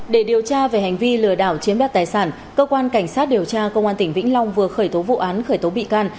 để điều tra về hành vi lừa đảo chiếm đoạt tài sản cơ quan cảnh sát điều tra công an tỉnh vĩnh long vừa khởi tố vụ án khởi tố bị can